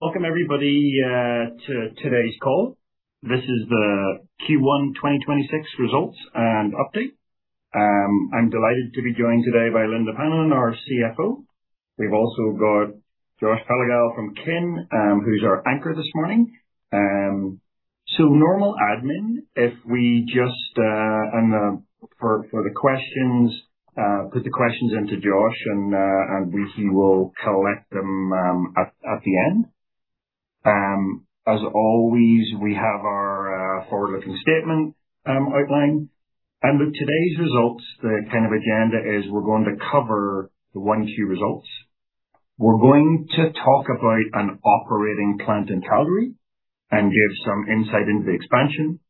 Welcome everybody to today's call. This is the Q1 2026 results and update. I'm delighted to be joined today by Lynda Paananen, our CFO. We've also got Josh Peligal from Kin, who's our anchor this morning. Normal admin. For the questions, put the questions into Josh and we will collect them at the end. As always, we have our forward-looking statement outlined. With today's results, the kind of agenda is we're going to cover the 1Q results. We're going to talk about an operating plant in Calgary and give some insight into the expansion.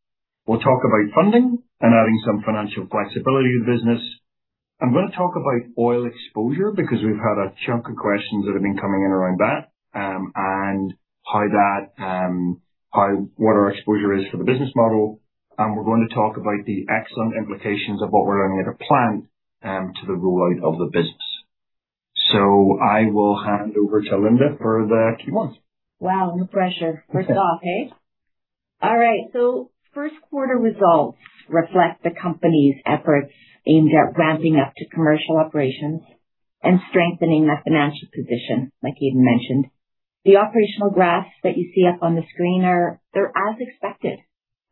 We'll talk about funding and adding some financial flexibility to the business. I'm going to talk about oil exposure, because we've had a chunk of questions that have been coming in around that, and what our exposure is for the business model. We're going to talk about the excellent implications of what we're learning at a plant to the rollout of the business. I will hand over to Lynda for the Q1s. Wow, no pressure. First off, okay. All right. First quarter results reflect the company's efforts aimed at ramping up to commercial operations and strengthening our financial position, like Aidan mentioned. The operational graphs that you see up on the screen, they're as expected.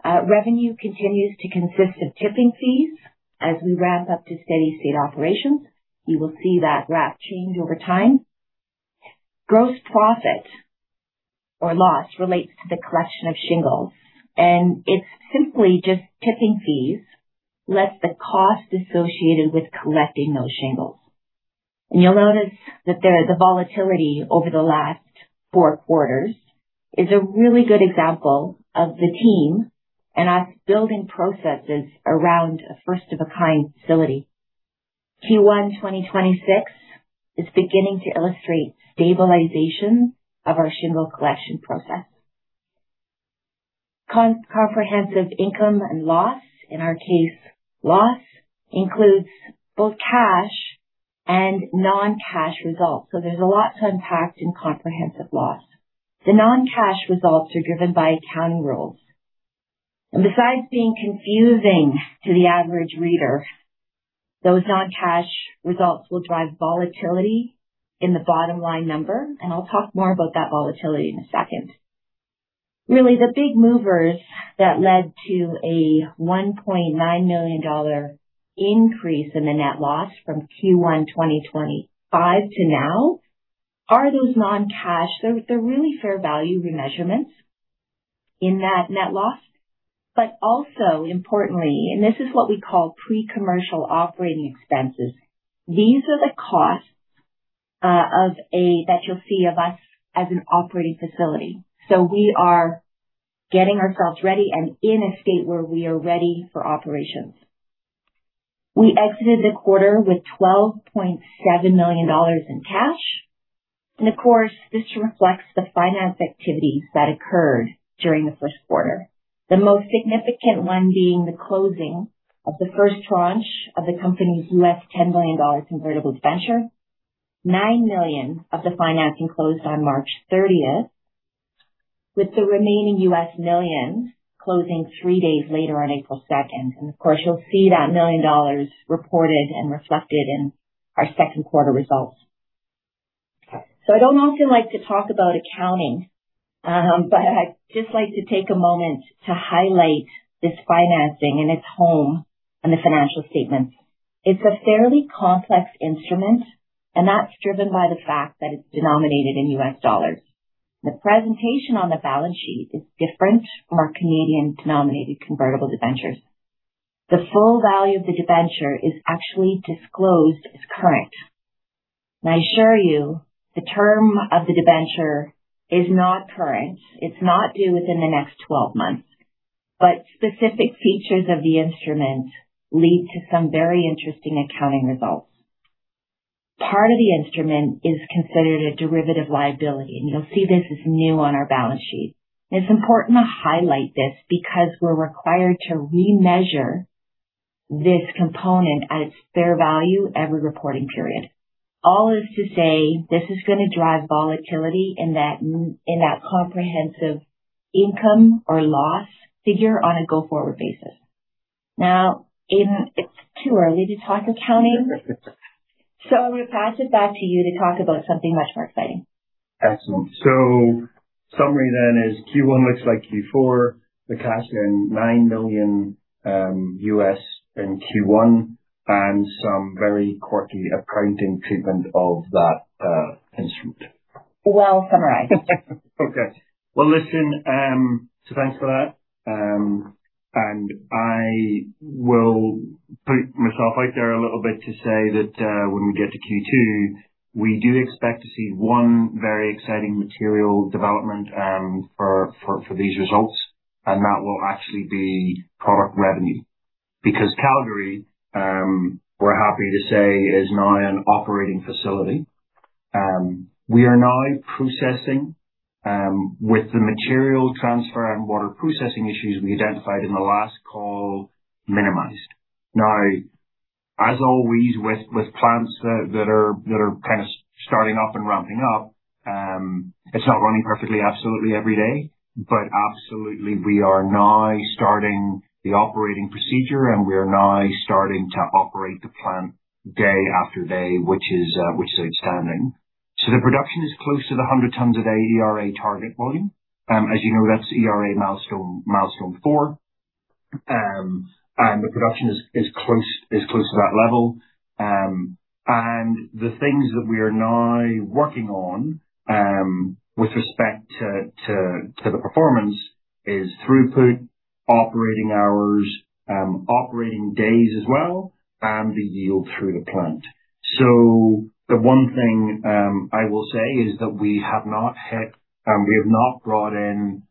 Revenue continues to consist of tipping fees as we ramp up to steady state operations. You will see that graph change over time. Gross profit or loss relates to the collection of shingles, and it's simply just tipping fees, less the cost associated with collecting those shingles. You'll notice that there is a volatility over the last four quarters, is a really good example of the team and us building processes around a first of a kind facility. Q1 2026 is beginning to illustrate stabilization of our shingle collection process. Comprehensive income and loss, in our case loss, includes both cash and non-cash results. There's a lot to unpack in comprehensive loss. The non-cash results are driven by accounting rules. Besides being confusing to the average reader, those non-cash results will drive volatility in the bottom line number, and I'll talk more about that volatility in a second. The big movers that led to a 1.9 million dollar increase in the net loss from Q1 2025 to now are those non-cash. They're really fair value remeasurements in that net loss. Also importantly, this is what we call pre-commercial operating expenses. These are the costs that you'll see of us as an operating facility. We are getting ourselves ready and in a state where we are ready for operations. We exited the quarter with 12.7 million dollars in cash. Of course, this reflects the finance activities that occurred during the first quarter. The most significant one being the closing of the first tranche of the company's $10 million convertible debenture. $9 million of the financing closed on March 30th, with the remaining $1 million closing three days later on April 2nd. Of course, you'll see that $1 million reported and reflected in our second quarter results. I don't often like to talk about accounting, but I'd just like to take a moment to highlight this financing and its home on the financial statements. It's a fairly complex instrument, that's driven by the fact that it's denominated in US dollars. The presentation on the balance sheet is different from our Canadian denominated convertible debentures. The full value of the debenture is actually disclosed as current. I assure you the term of the debenture is not current. It's not due within the next 12 months. Specific features of the instrument lead to some very interesting accounting results. Part of the instrument is considered a derivative liability, and you'll see this is new on our balance sheet. It's important to highlight this because we're required to remeasure this component at its fair value every reporting period. All is to say, this is going to drive volatility in that comprehensive income or loss figure on a go forward basis. Aidan, it's too early to talk accounting. I'm going to pass it back to you to talk about something much more exciting. Excellent. Summary then is Q1 looks like Q4, the cash in $9 million in Q1, and some very quirky accounting treatment of that instrument. Well summarized. Okay. Well, listen, thanks for that. I will put myself out there a little bit to say that, when we get to Q2, we do expect to see one very exciting material development for these results, and that will actually be product revenue. Calgary, we're happy to say, is now an operating facility. We are now processing, with the material transfer and water processing issues we identified in the last call minimized. Now, as always, with plants that are starting up and ramping up, it's not running perfectly absolutely every day. Absolutely, we are now starting the operating procedure, and we are now starting to operate the plant day after day, which is outstanding. The production is close to the 100 tons a day ERA target volume. As you know, that's ERA milestone four. The production is close to that level. The things that we are now working on, with respect to the performance is throughput, operating hours, operating days as well, and the yield through the plant. The one thing I will say is that we have not brought in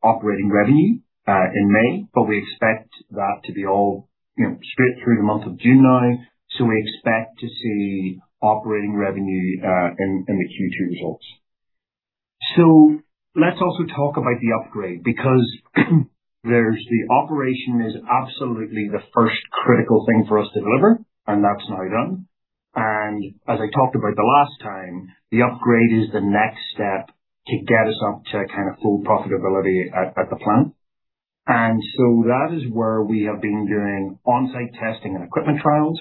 operating revenue in May, but we expect that to be all straight through the month of June now. We expect to see operating revenue in the Q2 results. Let's also talk about the upgrade, because there's the operation is absolutely the first critical thing for us to deliver, and that's now done. As I talked about the last time, the upgrade is the next step to get us up to full profitability at the plant. That is where we have been doing on-site testing and equipment trials.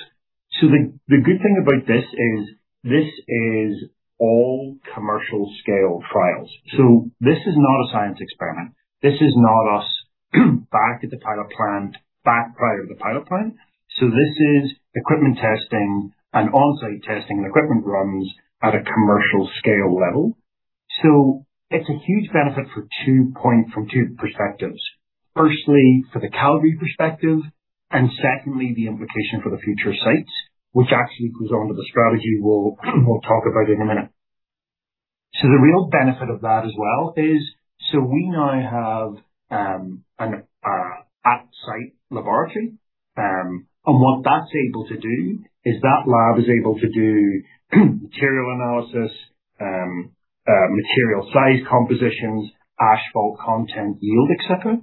The good thing about this is this is all commercial scale trials. This is not a science experiment. This is not us back at the pilot plant, back prior to the pilot plant. This is equipment testing and on-site testing and equipment runs at a commercial scale level. It's a huge benefit from two perspectives. Firstly, for the Calgary perspective, and secondly, the implication for the future sites, which actually goes on to the strategy we'll talk about in a minute. The real benefit of that as well is, we now have an at site laboratory. What that's able to do is that lab is able to do material analysis, material size compositions, asphalt content yield, et cetera.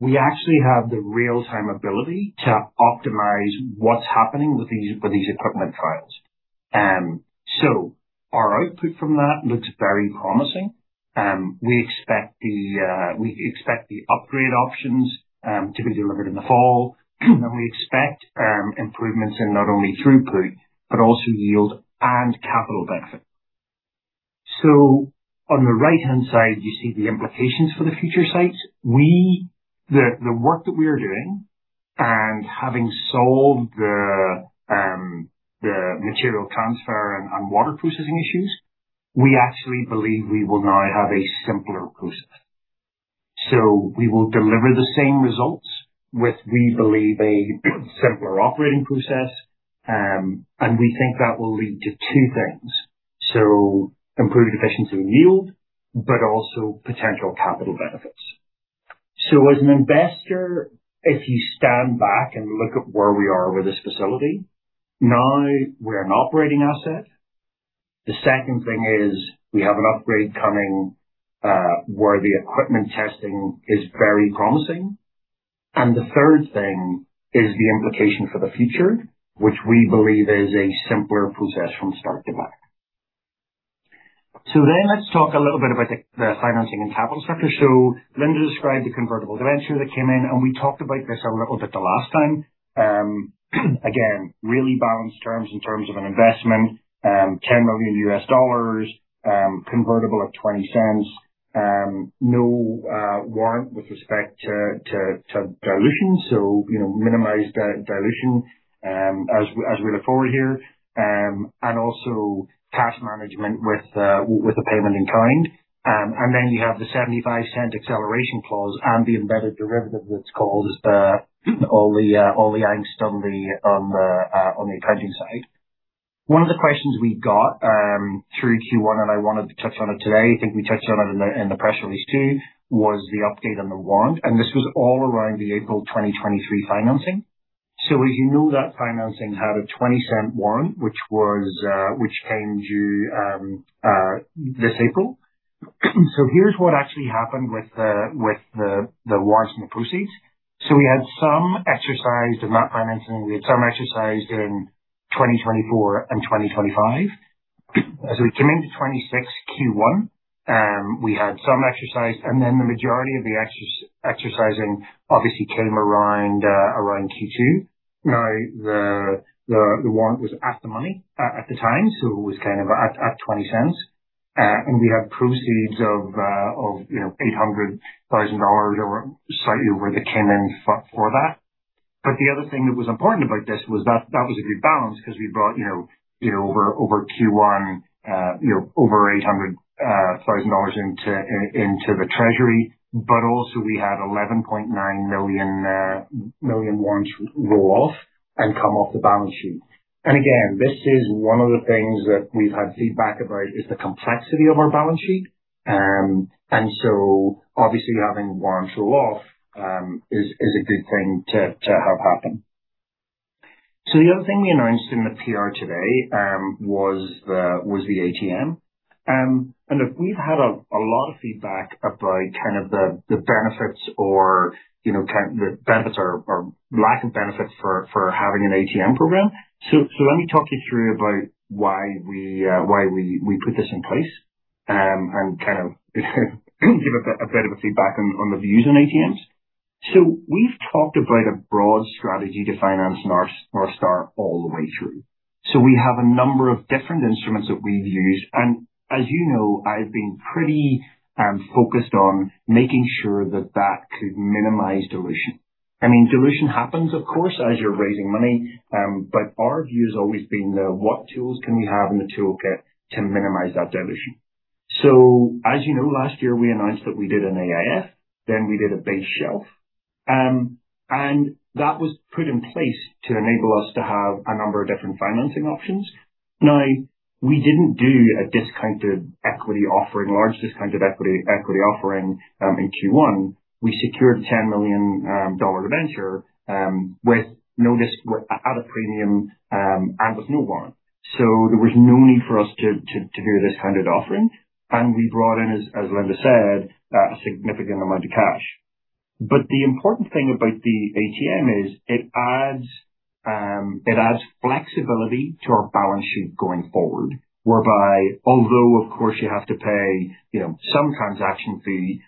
We actually have the real-time ability to optimize what's happening with these equipment trials. Our output from that looks very promising. We expect the upgrade options to be delivered in the fall. We expect improvements in not only throughput, but also yield and capital benefit. On the right-hand side, you see the implications for the future sites. The work that we are doing, having solved the material transfer and water processing issues, we actually believe we will now have a simpler process. We will deliver the same results with, we believe, a simpler operating process. We think that will lead to two things: improved efficiency and yield, also potential capital benefits. As an investor, if you stand back and look at where we are with this facility, now we're an operating asset. The second thing is we have an upgrade coming, where the equipment testing is very promising. The third thing is the implication for the future, which we believe is a simpler process from start to back. Let's talk a little bit about the financing and capital structure. Lynda described the convertible debenture that came in, and we talked about this a little bit the last time. Again, really balanced terms in terms of an investment, $10 million, convertible at $0.20. No warrant with respect to dilution. Minimized dilution as we look forward here. Also cash management with a payment in kind. You have the $0.75 acceleration clause and the embedded derivative that's caused all the angst on the accounting side. One of the questions we got through Q1, I wanted to touch on it today, I think we touched on it in the press release too, was the update on the warrant, this was all around the April 2023 financing. As you know, that financing had a 0.20 warrant, which came due this April. Here's what actually happened with the warrants and the proceeds. We had some exercise of that financing. We had some exercise during 2024 and 2025. As we came into 2026 Q1, we had some exercise, the majority of the exercising obviously came around Q2. The warrant was at the money at the time, it was at 0.20. We have proceeds of 800,000 dollars or slightly over that came in for that. The other thing that was important about this was that was a good balance because we brought over Q1 over 800,000 dollars into the treasury. Also we had 11.9 million warrants roll off and come off the balance sheet. Again, this is one of the things that we've had feedback about is the complexity of our balance sheet. Obviously having warrants roll off is a good thing to have happen. The other thing we announced in the PR today, was the AGM. Look, we've had a lot of feedback about the benefits or lack of benefits for having an ATM program. Let me talk you through about why we put this in place, and give a bit of a feedback on the views on ATMs. We've talked about a broad strategy to financing Northstar all the way through. We have a number of different instruments that we've used. As you know, I've been pretty focused on making sure that that could minimize dilution. Dilution happens, of course, as you're raising money. Our view has always been, what tools can we have in the toolkit to minimize that dilution? As you know, last year we announced that we did an AIF, then we did a base shelf. That was put in place to enable us to have a number of different financing options. We didn't do a discounted equity offering, large discounted equity offering in Q1. We secured a $10 million debenture at a premium and with no warrant. There was no need for us to do a discounted offering. We brought in, as Lynda said, a significant amount of cash. The important thing about the ATM is it adds flexibility to our balance sheet going forward, whereby although, of course, you have to pay some transaction fee,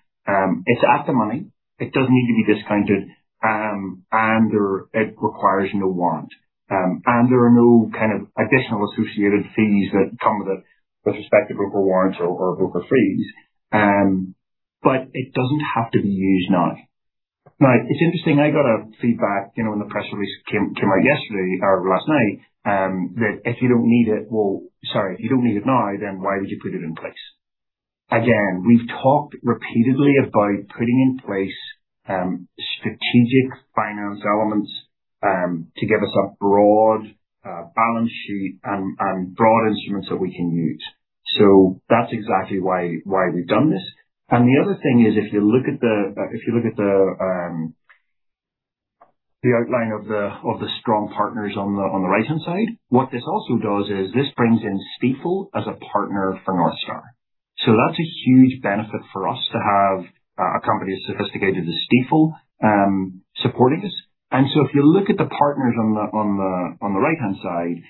it's at the money. It doesn't need to be discounted, and it requires no warrant. There are no kind of additional associated fees that come with it with respect to broker warrants or broker fees. It doesn't have to be used now. It's interesting, I got a feedback when the press release came out yesterday or last night, that if you don't need it now, then why would you put it in place? We've talked repeatedly about putting in place strategic finance elements to give us a broad balance sheet and broad instruments that we can use. That's exactly why we've done this. The other thing is, if you look at the outline of the strong partners on the right-hand side, what this also does is this brings in Stifel as a partner for Northstar. That's a huge benefit for us to have a company as sophisticated as Stifel supporting us. If you look at the partners on the right-hand side,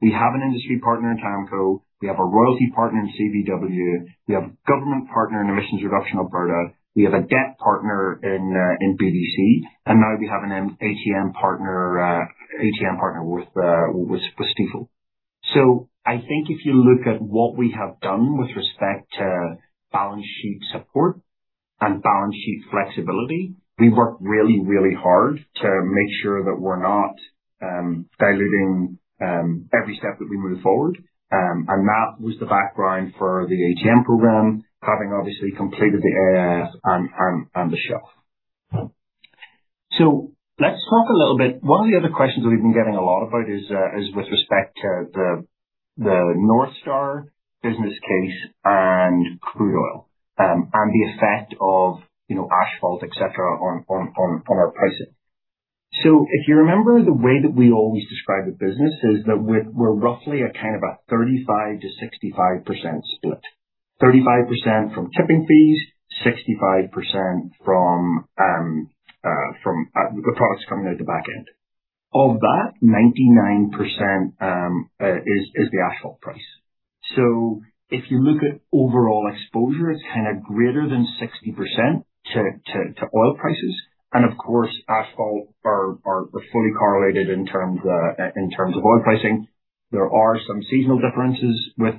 we have an industry partner in TAMKO, we have a royalty partner in CVW, we have a government partner in Emissions Reduction Alberta, we have a debt partner in BDC, and now we have an ATM partner with Stifel. I think if you look at what we have done with respect to balance sheet support and balance sheet flexibility, we work really hard to make sure that we're not diluting every step that we move forward. That was the background for the ATM program, having obviously completed the AIF and the shelf. Let's talk a little bit. One of the other questions that we've been getting a lot about is with respect to the Northstar business case and crude oil, and the effect of asphalt, et cetera, on our pricing. If you remember, the way that we always describe the business is that we're roughly at kind of a 35%-65% split. 35% from tipping fees, 65% from the products coming out the back end. Of that, 99% is the asphalt price. If you look at overall exposure, it's kind of greater than 60% to oil prices. Of course, asphalt are fully correlated in terms of oil pricing. There are some seasonal differences with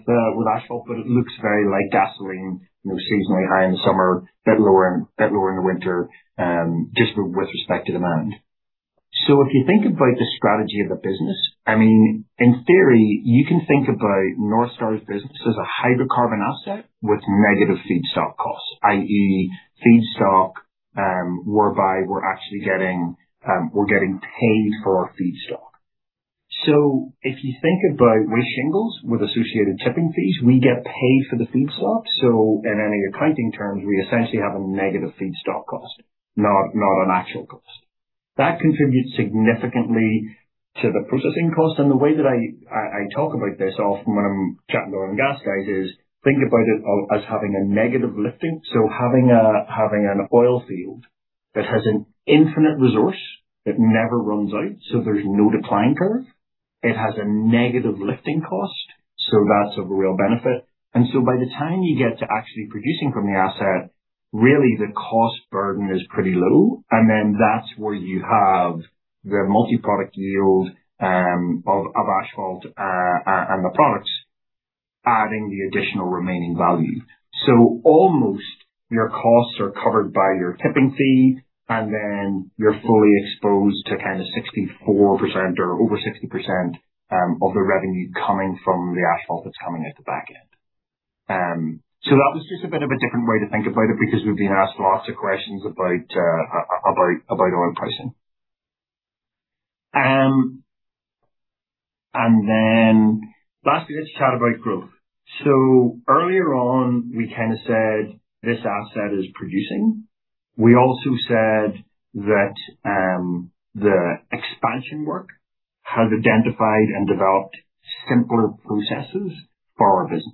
asphalt, but it looks very like gasoline, seasonally high in the summer, a bit lower in the winter, just with respect to demand. If you think about the strategy of the business, in theory, you can think about Northstar's business as a hydrocarbon asset with negative feedstock costs, i.e., feedstock whereby we're getting paid for our feedstock. If you think about with shingles, with associated tipping fees, we get paid for the feedstock. In any accounting terms, we essentially have a negative feedstock cost, not an actual cost. That contributes significantly to the processing cost. The way that I talk about this often when I'm chatting to oil and gas guys is, think about it as having a negative lifting. Having an oil field that has an infinite resource that never runs out, so there's no decline curve. It has a negative lifting cost, so that is of a real benefit. By the time you get to actually producing from the asset, really, the cost burden is pretty low. That is where you have the multi-product yield of asphalt and the products adding the additional remaining value. Almost your costs are covered by your tipping fee, and then you are fully exposed to 64% or over 60% of the revenue coming from the asphalt that is coming out the back end. That was just a bit of a different way to think about it, because we have been asked lots of questions about oil pricing. Lastly, let us chat about growth. Earlier on, we said this asset is producing. We also said that the expansion work has identified and developed simpler processes for our business.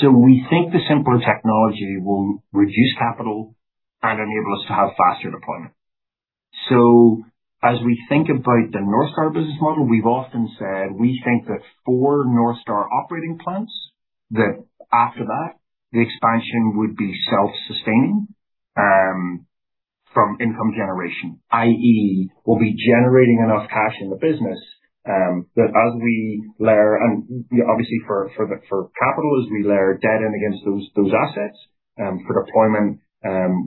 We think the simpler technology will reduce capital and enable us to have faster deployment. As we think about the Northstar business model, we've often said we think that four Northstar operating plants, that after that, the expansion would be self-sustaining from income generation, i.e., we'll be generating enough cash in the business that as we layer debt and against those assets for deployment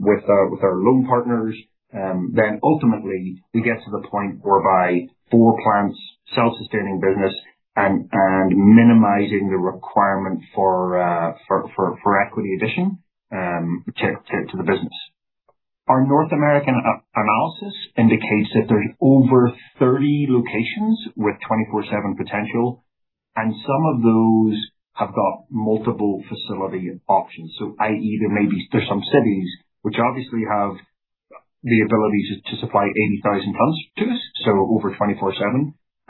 with our loan partners, then ultimately we get to the point whereby four plants, self-sustaining business, and minimizing the requirement for equity addition to the business. Our North American analysis indicates that there are over 30 locations with 24/7 potential, and some of those have got multiple facility options. I.e., there may be some cities which obviously have the ability to supply 80,000 tons to us, over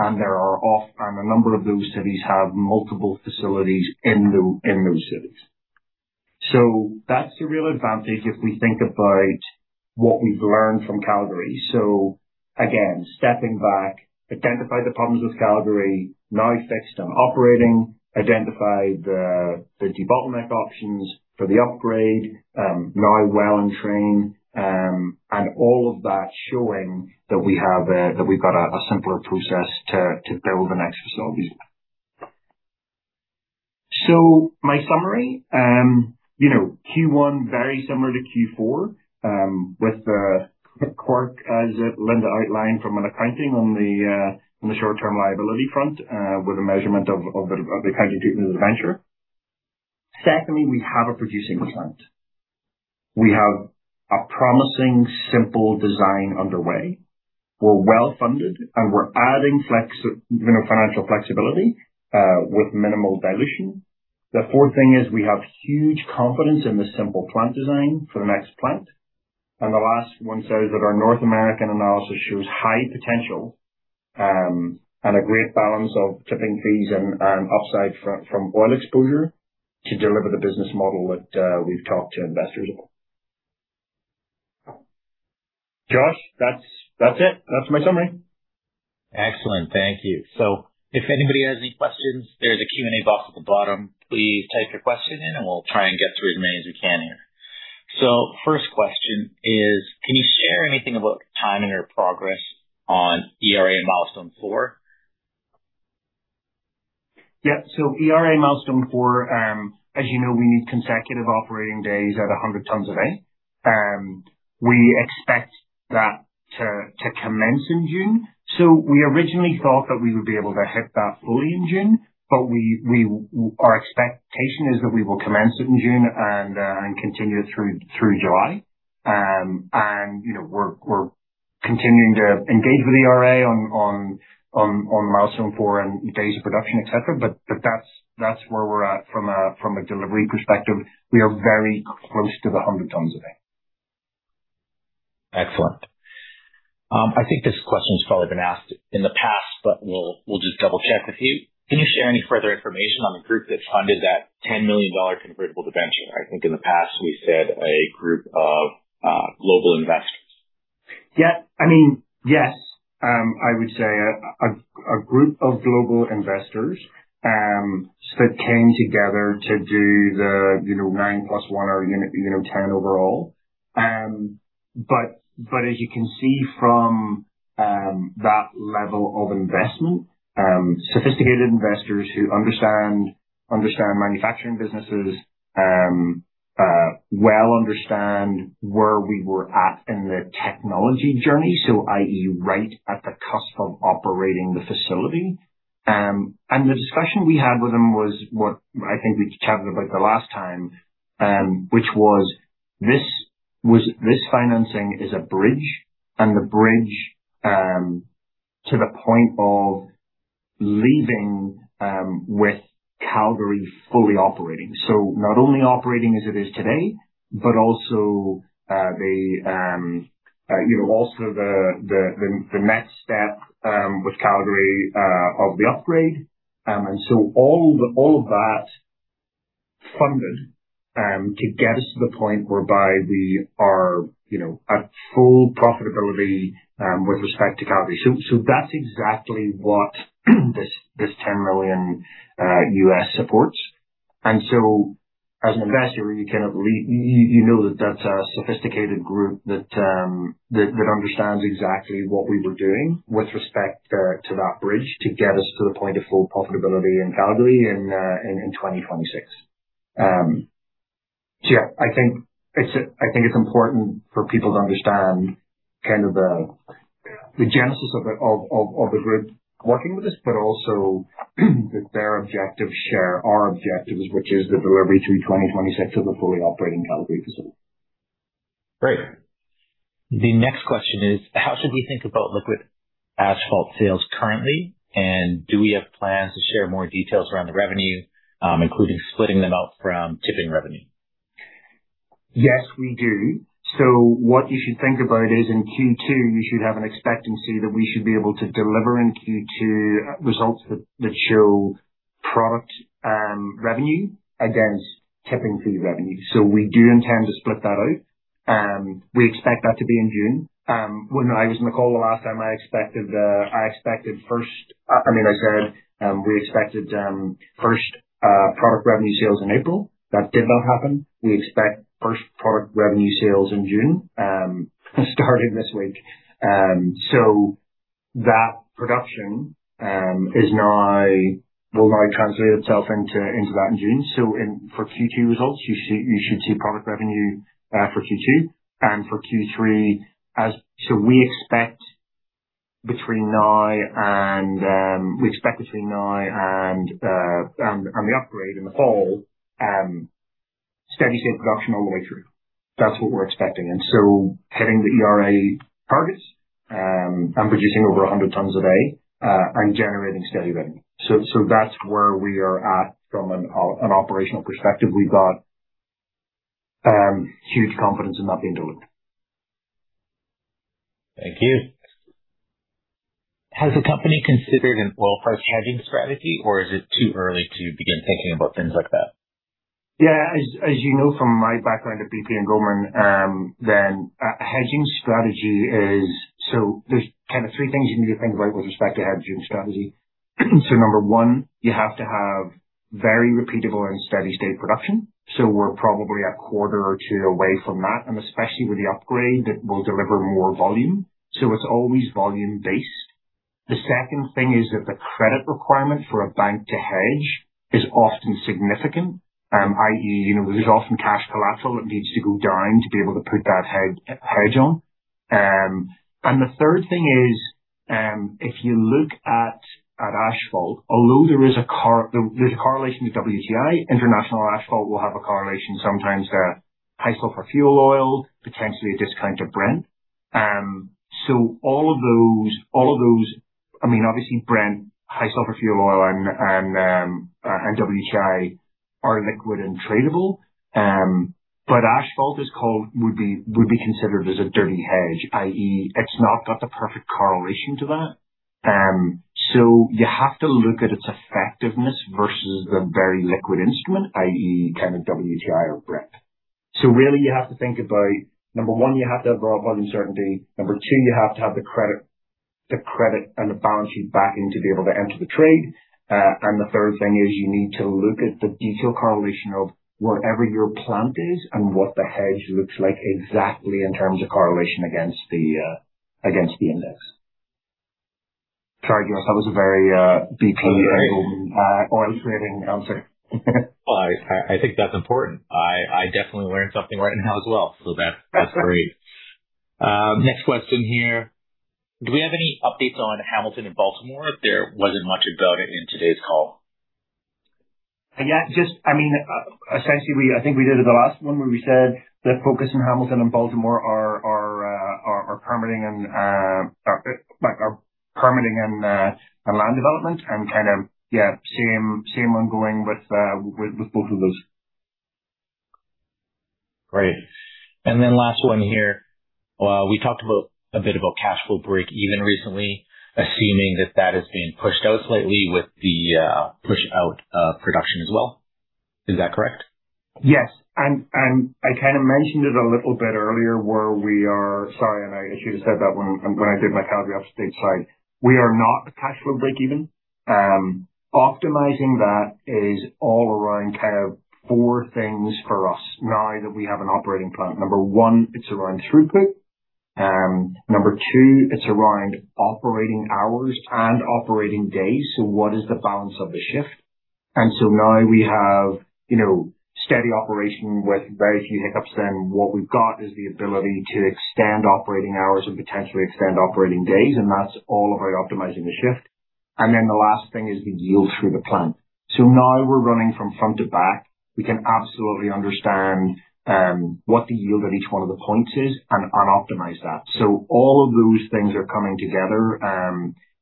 24/7. A number of those cities have multiple facilities in those cities. That's the real advantage if we think about what we've learned from Calgary. Again, stepping back, identify the problems with Calgary, now fixed and operating, identify the bottleneck options for the upgrade, now well in train, and all of that showing that we've got a simpler process to build the next facilities. My summary, Q1 very similar to Q4 with the quirk as Lynda outlined from an accounting on the short-term liability front with a measurement of the accounting treatment of the debenture. Secondly, we have a producing plant. We have a promising, simple design underway. We're well-funded, and we're adding financial flexibility with minimal dilution. The fourth thing is we have huge confidence in the simple plant design for the next plant. The last one says that our North American analysis shows high potential and a great balance of tipping fees and upside from oil exposure to deliver the business model that we've talked to investors about. Josh, that's it. That's my summary. Excellent. Thank you. If anybody has any questions, there's a Q&A box at the bottom. Please type your question in and we'll try and get through as many as we can here. First question is, can you share anything about timing or progress on ERA Milestone 4? ERA Milestone 4, as you know, we need consecutive operating days at 100 tons a day. We expect that to commence in June. We originally thought that we would be able to hit that fully in June, but our expectation is that we will commence it in June and continue through July. We're continuing to engage with ERA on Milestone 4 and days of production, et cetera, but that's where we're at from a delivery perspective. We are very close to the 100 tons a day. Excellent. I think this question has probably been asked in the past, but we'll just double-check with you. Can you share any further information on the group that funded that $10 million convertible debenture? I think in the past we said a group of global investors. Yes. I would say a group of global investors that came together to do the 9+1 or unit 10 overall. As you can see from that level of investment, sophisticated investors who understand manufacturing businesses, well understand where we were at in the technology journey, so i.e., right at the cusp of operating the facility. The discussion we had with them was what I think we chatted about the last time, which was this financing is a bridge and the bridge to the point of leaving with Calgary fully operating. Not only operating as it is today, but also the next step with Calgary of the upgrade. All of that funded to get us to the point whereby we are at full profitability with respect to Calgary. That's exactly what this $10 million supports. As an investor, you know that that's a sophisticated group that understands exactly what we were doing with respect to that bridge to get us to the point of full profitability in Calgary in 2026. Yeah, I think it's important for people to understand the genesis of the group working with us, but also that their objectives share our objectives, which is the delivery through 2026 of a fully operating Calgary facility. Great. The next question is, how should we think about liquid asphalt sales currently? Do we have plans to share more details around the revenue, including splitting them out from tipping revenue? Yes, we do. What you should think about is in Q2, you should have an expectancy that we should be able to deliver in Q2 results that show product revenue against tipping fee revenue. We do intend to split that out. We expect that to be in June. When I was on the call the last time, I said we expected first product revenue sales in April. That did not happen. We expect first product revenue sales in June, starting this week. That production will now translate itself into that in June. For Q2 results, you should see product revenue for Q2 and for Q3. We expect between now and the upgrade in the fall, steady state production all the way through. That's what we're expecting, and so hitting the ERA targets, and producing over 100 tons a day, and generating steady revenue. That's where we are at from an operational perspective. We've got huge confidence in that being delivered. Thank you. Has the company considered an oil price hedging strategy or is it too early to begin thinking about things like that? As you know from my background at BP and Goldman, there's three things you need to think about with respect to hedging strategy. Number one, you have to have very repeatable and steady state production. We're probably a quarter or two away from that, and especially with the upgrade that will deliver more volume. It's always volume-based. The second thing is that the credit requirement for a bank to hedge is often significant. i.e., there's often cash collateral that needs to go down to be able to put that hedge on. The third thing is, if you look at asphalt, although there's a correlation with WTI, international asphalt will have a correlation sometimes to high sulfur fuel oil, potentially a discount of Brent. All of those, obviously, Brent, high sulfur fuel oil, and WTI are liquid and tradable. Asphalt would be considered as a dirty hedge, i.e., it's not got the perfect correlation to that. You have to look at its effectiveness versus the very liquid instrument, i.e., WTI or Brent. Really you have to think about, number one, you have to have raw volume certainty. Number two, you have to have the credit and the balance sheet backing to be able to enter the trade. The third thing is you need to look at the detailed correlation of whatever your plant is and what the hedge looks like exactly in terms of correlation against the index. Sorry, Josh, that was a very BP oil trading answer. I think that's important. I definitely learned something right now as well, so that's great. Next question here. Do we have any updates on Hamilton and Baltimore? There wasn't much about it in today's call. Essentially, I think we did at the last one where we said the focus on Hamilton and Baltimore are permitting and land development and same ongoing with both of those. Great. Last one here. We talked a bit about cash flow breakeven recently, assuming that that is being pushed out slightly with the push out of production as well. Is that correct? Yes. I mentioned it a little bit earlier where we are Sorry, I should have said that when I did my Calgary upstate slide. We are not cash flow breakeven. Optimizing that is all around four things for us now that we have an operating plant. Number one, it's around throughput. Number two, it's around operating hours and operating days. What is the balance of the shift? Now we have steady operation with very few hiccups, then what we've got is the ability to extend operating hours and potentially extend operating days, and that's all about optimizing the shift. The last thing is the yield through the plant. Now we're running from front to back. We can absolutely understand what the yield at each one of the points is and optimize that. All of those things are coming together,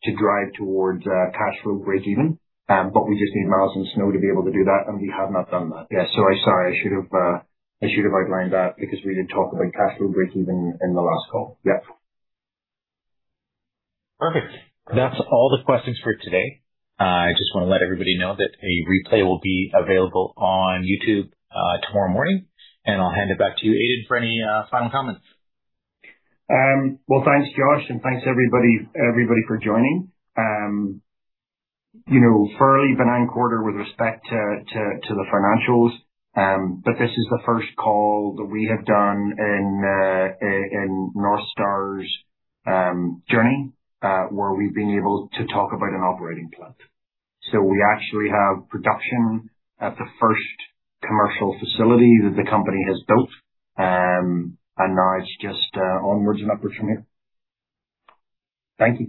to drive towards cash flow breakeven. We just need milestones to go to be able to do that, and we have not done that. Yeah. Sorry, I should have outlined that because we did talk about cash flow breakeven in the last call. Yep. Perfect. That's all the questions for today. I just want to let everybody know that a replay will be available on YouTube tomorrow morning. I'll hand it back to you, Aidan, for any final comments. Thanks, Josh, and thanks everybody for joining. Fairly benign quarter with respect to the financials. This is the first call that we have done in Northstar's journey, where we've been able to talk about an operating plant. We actually have production at the first commercial facility that the company has built. Now it's just onwards and upwards from here. Thank you.